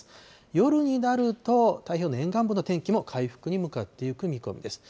夜になると、太平洋の沿岸部の天気も回復に向かっていく見込みです。